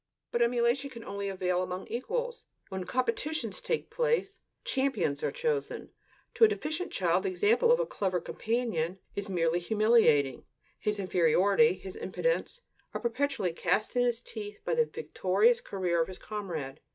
But emulation can only avail among equals. When "competitions" take place, "champions" are chosen. To a deficient child, the example of a clever companion is merely humiliating; his inferiority, his impotence are perpetually cast in his teeth by the victorious career of his comrade.